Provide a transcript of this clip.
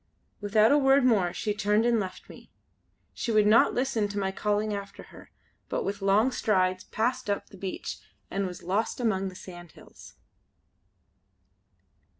Without a word more she turned and left me. She would not listen to my calling after her; but with long strides passed up the beach and was lost among the sandhills.